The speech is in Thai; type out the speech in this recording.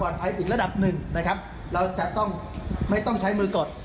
อันไหนล่ะกดแล้วใช่ไหม